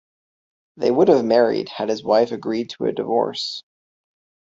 They would have married had his wife agreed to a divorce.